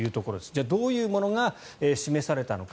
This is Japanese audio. じゃあ、どういうものが示されたのか。